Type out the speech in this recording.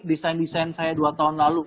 desain desain saya dua tahun lalu